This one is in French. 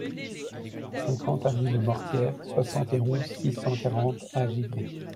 cinquante avenue de Mortières, soixante et onze, six cent quarante à Givry